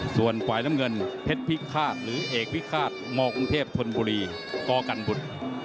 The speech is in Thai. ส่วนฝ่ายน้ำเงินเพชรพิฆาตหรือเอกพิฆาตมกรุงเทพธนบุรีกกันบุตร